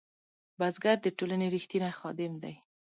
بزګر د ټولنې رښتینی خادم دی